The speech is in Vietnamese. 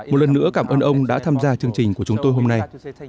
một lần nữa cảm ơn ông đã tham gia chương trình của chúng tôi hôm nay